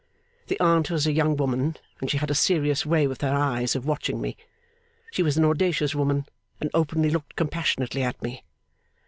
The aunt was a young woman, and she had a serious way with her eyes of watching me. She was an audacious woman, and openly looked compassionately at me.